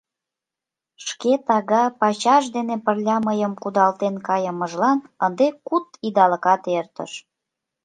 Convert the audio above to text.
Шке тага пачаж дене пырля мыйым кудалтен кайымыжлан ынде куд идалыкат эртыш.